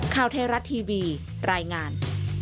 ข้าวเทราะห์ทีวีรายงาน